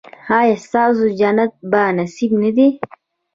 ایا ستاسو جنت په نصیب نه دی؟